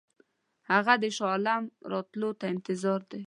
هغه د شاه عالم راتلو ته انتظار دی.